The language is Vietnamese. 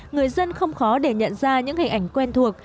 người dân không khó để nhận ra những hình ảnh quen thuộc